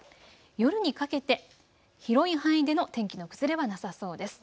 夜にかけて広い範囲での天気の崩れはなさそうです。